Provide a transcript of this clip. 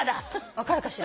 分かるかしら？